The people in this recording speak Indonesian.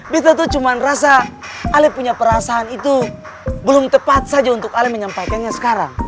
kita tuh cuma rasa ali punya perasaan itu belum tepat saja untuk ale menyampaikannya sekarang